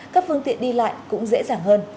các phương tiện đi lại cũng dễ dàng hơn